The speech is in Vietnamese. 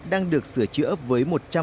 đang được sửa chữa với